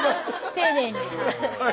丁寧に。